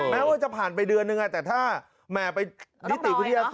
แม้ว่าจะผ่านไปเดือนนึงแต่ถ้าแหม่ไปนิติวิทยาศาส